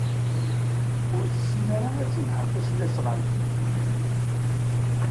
Ur tessin ara ad tenheṛ tasnasɣalt.